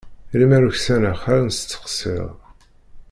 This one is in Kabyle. Lemmer uksaneɣ ar n-steqsiɣ.